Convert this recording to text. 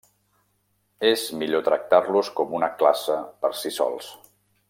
És millor tractar-los com una classe per si sols.